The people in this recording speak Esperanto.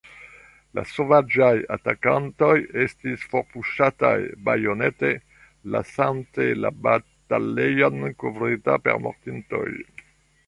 La sovaĝaj atakantoj estis forpuŝataj bajonete, lasante la batalejon kovrita per mortintoj.